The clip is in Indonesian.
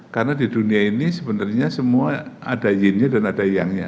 karena di dunia ini sebenarnya semua ada yin nya dan ada yang nya